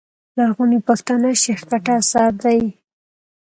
لرغوني پښتانه، شېخ کټه اثر دﺉ.